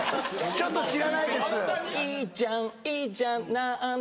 ちょっと知らないです